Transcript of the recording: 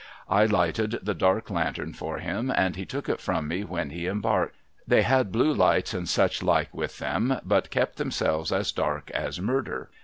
I lighted the dark lantern for him, and he took it from me when he embarked. They had blue lights and such like witli them, but kept themselves as dark as Murder.